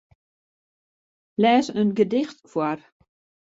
Lês in gedicht foar.